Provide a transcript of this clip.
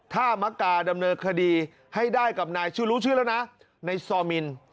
ถ้ามะกาดำเนินคดีให้ได้กับนายชื่อรู้ชื่อแล้วนะในซอมิน